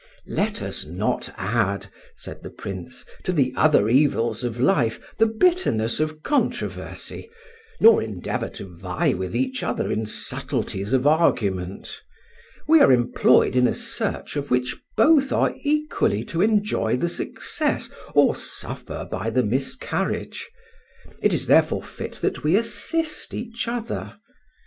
"Let us not add," said the Prince, "to the other evils of life the bitterness of controversy, nor endeavour to vie with each other in subtilties of argument. We are employed in a search of which both are equally to enjoy the success or suffer by the miscarriage; it is therefore fit that we assist each other.